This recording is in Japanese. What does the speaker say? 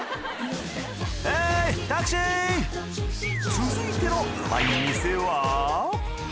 続いてのうまい店は？